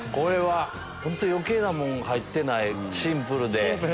本当余計なもの入ってないシンプルで。